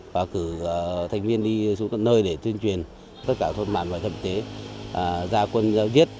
và cử thành viên đi xuống tận nơi để tuyên truyền tất cả thôn mản và trung tâm y tế ra quân giáo viết